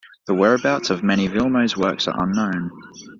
The whereabouts of many of Vilmos's works are unknown.